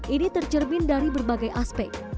ini tercermin dari berbagai aspek